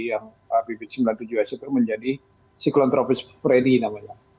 yang bibit sembilan puluh tujuh s itu menjadi siklon tropis freddy namanya